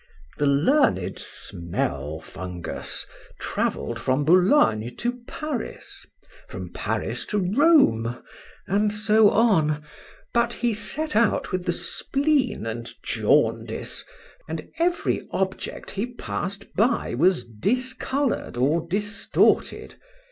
The learned Smelfungus travelled from Boulogne to Paris,—from Paris to Rome,—and so on;—but he set out with the spleen and jaundice, and every object he pass'd by was discoloured or distorted.